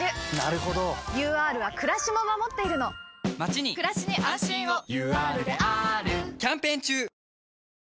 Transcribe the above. ＵＲはくらしも守っているのまちにくらしに安心をＵＲであーるキャンペーン中！